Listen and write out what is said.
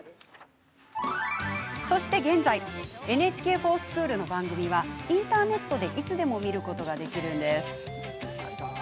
そして現在「ＮＨＫｆｏｒｓｃｈｏｏｌ」の番組はインターネットでいつでも見ることができるんです。